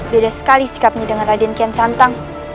beda sekali sikapnya dengan raden kian santang